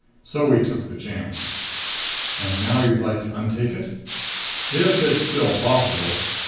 So we took the chance." "And now you'd like to untake it?" "If it's still possible.